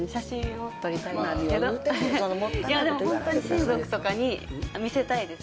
ホントに親族とかに見せたいです。